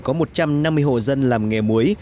có một trăm năm mươi hộ dân làm nghề muối